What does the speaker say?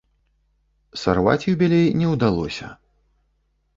Сарваць юбілей не ўдалося.